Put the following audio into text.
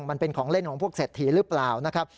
มันเป็นของเล่นของพวกเศรษฐีหรือเปล่านะครับ